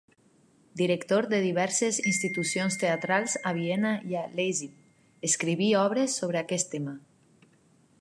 Director de diverses institucions teatrals a Viena i a Leipzig, escriví obres sobre aquest tema.